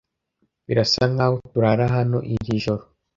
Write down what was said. Birasa nkaho turara hano iri joro.